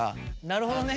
なるほどね。